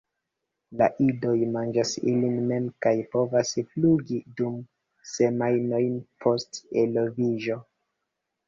La idoj manĝas ili mem kaj povas flugi du semajnojn post eloviĝo.